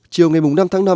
chủ tịch hạ viện nhật bản